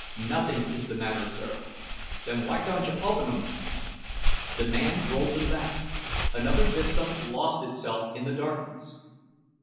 "Nothing is the matter, sir." "Then why dontcha openum?" The man rolled them back; another vista lost itself in the darkness.